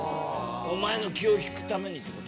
お前の気を引くためにって事？